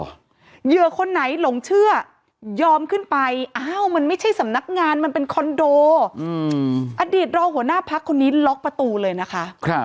เหยื่อคนไหนหลงเชื่อยอมขึ้นไปอ้าวมันไม่ใช่สำนักงานมันเป็นคอนโดอดีตรองหัวหน้าพักคนนี้ล็อกประตูเลยนะคะ